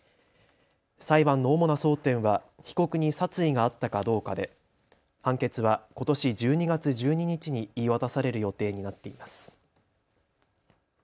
裁判の主な争点は被告に殺意があったかどうかで判決はことし１２月１２日に言い渡される予定になっています。